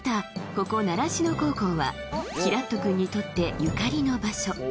ここ習志野高校はきらっと君にとってゆかりの場所